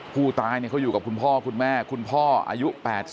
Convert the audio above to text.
ผู้ตายเขาอยู่กับคุณพ่อคุณแม่คุณพ่ออายุ๘๐